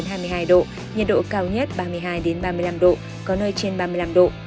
nhiệt độ cao nhất ba mươi hai ba mươi năm độ có nơi trên ba mươi năm độ